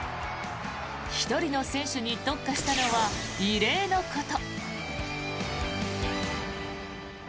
１人の選手に特化したのは異例のこと。